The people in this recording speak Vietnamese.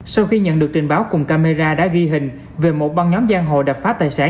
sau khi nhận được trình báo cùng camera đã ghi hình về một băng nhóm giang hồ đập phá tài sản